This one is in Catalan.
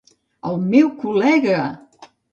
El meu col·lega!